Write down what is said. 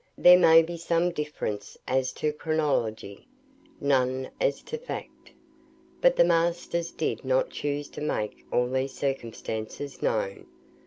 There may be some difference as to chronology, none as to fact. But the masters did not choose to make all these facts known.